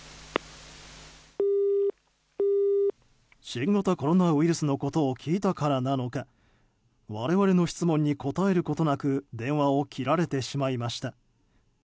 新型コロナウイルスのことを聞いたからなのか我々の質問に答えることなく電話を切られてしまいました。